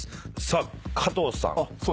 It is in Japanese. さあ加藤さん。